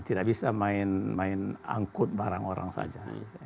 tidak bisa main main angkut barang orang saja